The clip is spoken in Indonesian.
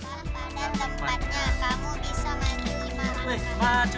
pada tempatnya kamu bisa main lima langkah